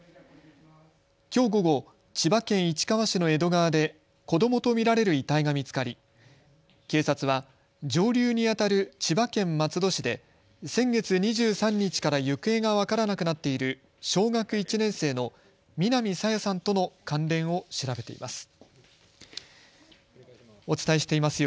きょう午後、千葉県市川市の江戸川で子どもと見られる遺体が見つかり警察は上流にあたる千葉県松戸市で先月２３日から行方が分からなくなっている小学１年生の南朝芽さんとの関連を調べています。